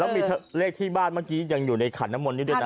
แล้วมีเลขที่บ้านเมื่อกี้ยังอยู่ในขันน้ำมนนี่ด้วยนะ